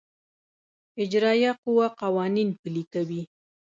اجرائیه قوه قوانین پلي کوي